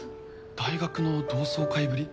大学の同窓会ぶり？